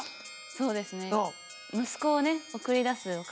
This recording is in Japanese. そうですね。